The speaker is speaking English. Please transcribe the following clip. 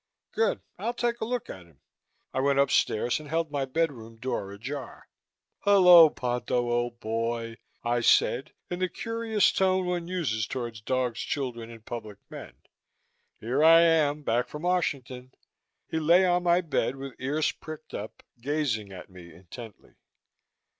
"Good, I'll take a look at him." I went upstairs and held my bedroom door ajar. "Hullo, Ponto old boy," I said in the curious tone one uses towards dogs, children and public men. "Here I am back from Washington." He lay on my bed, with ears pricked up, gazing at me intently.